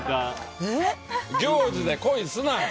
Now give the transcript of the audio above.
行事で恋すな！